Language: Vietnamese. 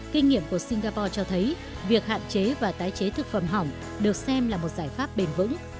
kinh nghiệm của singapore cho thấy việc hạn chế và tái chế thực phẩm hỏng được xem là một giải pháp bền vững